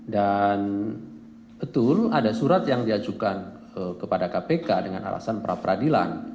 dan betul ada surat yang diajukan kepada kpk dengan alasan pra peradilan